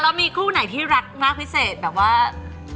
ก็มีกี่คู่แล้วที่บ้าน